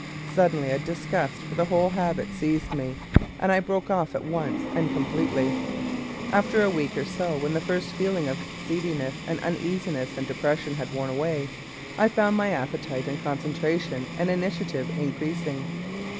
Suddenly a disgust for the whole habit seized me, and I broke off at once and completely. After a week or so, when the first feeling of seediness and uneasiness and depression had worn away, I found my appetite and concentration and initiative increasing.